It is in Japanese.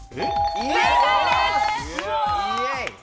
正解です。